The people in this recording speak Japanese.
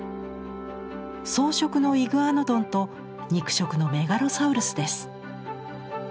草食のイグアノドンと肉食のメガロサウルスです。